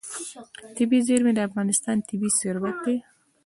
طبیعي زیرمې د افغانستان طبعي ثروت دی.